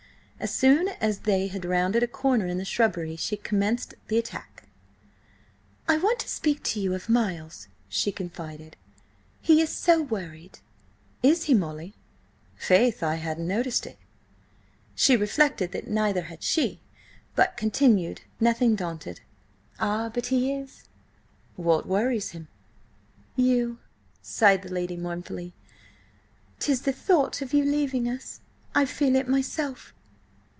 As soon as they had rounded a corner in the shrubbery, she commenced the attack. "I want to speak to you of Miles," she confided. "He is so worried." "Is he, Molly? Faith, I hadn't noticed it!" She reflected that neither had she, but continued, nothing daunted: "Ah, but he is!" "What worries him?" "You," sighed the lady mournfully. "'Tis the thought of your leaving us. I feel it myself."